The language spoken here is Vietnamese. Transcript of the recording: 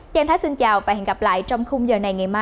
chân thái xin chào và hẹn gặp lại trong khung giờ này ngày mai